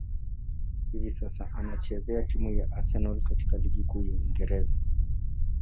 Hivi sasa, anachezea timu ya Arsenal katika ligi kuu ya Uingereza.